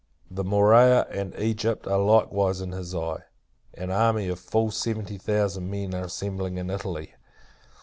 The Morea, and Egypt, are likewise in his eye. An army of full seventy thousand men are assembling in Italy.